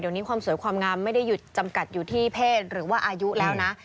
เดี๋ยวนี้ความสวยความงามไม่ได้หยุดจำกัดอยู่ที่เพศหรือว่าอายุแล้วนะ